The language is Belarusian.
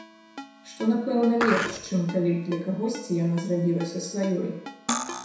Што, напэўна, лепш, чым калі б для кагосьці яна зрабілася сваёй.